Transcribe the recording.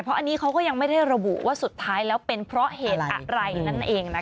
เพราะอันนี้เขาก็ยังไม่ได้ระบุว่าสุดท้ายแล้วเป็นเพราะเหตุอะไรนั่นเองนะคะ